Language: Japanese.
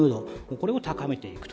これを高めていくと。